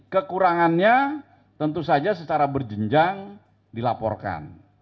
kekurangannya tentu saja secara berjenjang dilaporkan